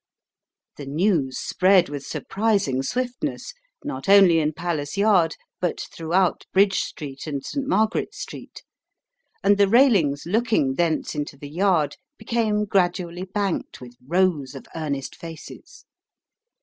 The news spread with surprising swiftness, not only in Palace Yard, but throughout Bridge Street and St. Margaret's Street, and the railings looking thence into the yard became gradually banked with rows of earnest faces.